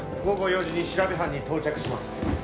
午後４時に調べ班に到着します。